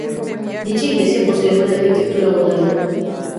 Dicha iglesia posee una arquitectura moderna.